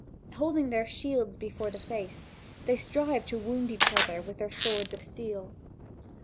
Holding their shields before the face, they strive to wound each other with their swords of steel.